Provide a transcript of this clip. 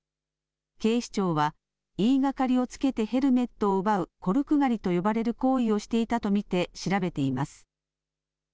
警視庁は言いがかりをつけてヘルメットを奪うコルク狩りと呼ばれる行為をしていたと見て調べています。